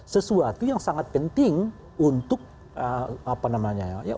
sesuatu yang sangat penting untuk apa namanya ya